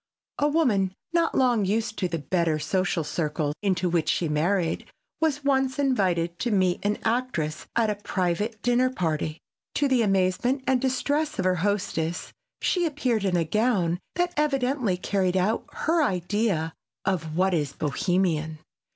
A woman, not long used to the better social circle into which she married, was once invited to meet an actress at a private dinner party. To the amazement and distress of her hostess she appeared in a gown that evidently carried out her idea of what is "Bohemian."